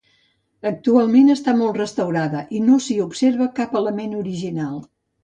Actualment està molt restaurada i no s'hi observa cap element original.